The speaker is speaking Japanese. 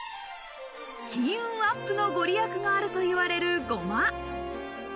金運アップの御利益があるといわれるゴマ。